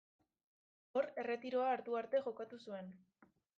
Hor erretiroa hartu arte jokatu zuen.